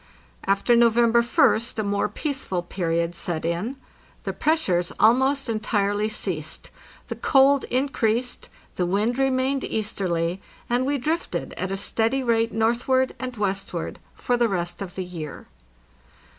After November Ist a more peaceful period set in; the press ures almost entirely ceased, the cold increased, the wind re mained easterly, and we drifted at a steady rate northward and westward for the rest of the year.